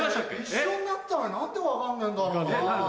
一緒になったのに何で分かんねえんだろうな。